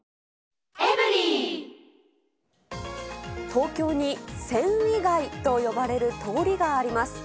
東京に繊維街と呼ばれる通りがあります。